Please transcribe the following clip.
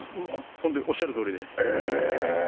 ホントにおっしゃるとおりですえっ！